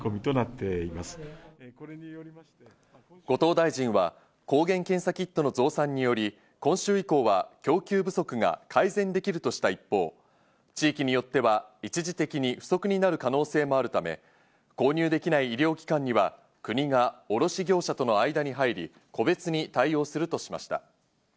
後藤大臣は抗原検査キットの増産などにより、今週以降は供給不足が改善できるとした一方、地域によっては一時的に不足になる可能性もあるため、購入できない医療機関には国が卸業者との間に入り個別に対応するとしました。